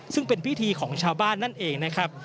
ซึ่งเป็นพิธีของชาวบ้านนั่นเองนะครับ